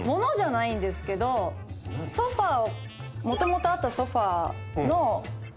もともとあったソファの。